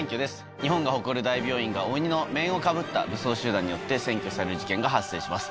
日本が誇る大病院が鬼の面をかぶった武装集団によって占拠される事件が発生します。